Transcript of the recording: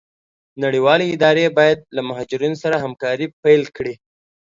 نړيوالي اداري بايد له مهاجرينو سره همکاري پيل کړي.